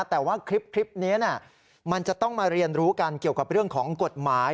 แต่ว่าคลิปนี้มันจะต้องมาเรียนรู้กันเกี่ยวกับเรื่องของกฎหมาย